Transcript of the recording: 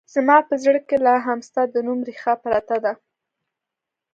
زما په زړه کې لا هم ستا د نوم رېښه پرته ده